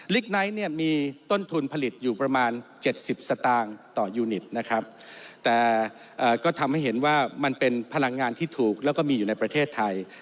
ไนท์เนี่ยมีต้นทุนผลิตอยู่ประมาณ๗๐สตางค์ต่อยูนิตนะครับแต่ก็ทำให้เห็นว่ามันเป็นพลังงานที่ถูกแล้วก็มีอยู่ในประเทศไทย